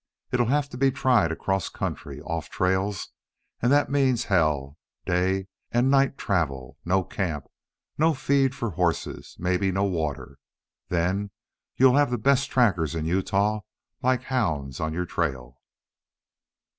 It'll have to be tried across country, off the trails, and that means hell day and night travel, no camp, no feed for horses maybe no water. Then you'll have the best trackers in Utah like hounds on your trail."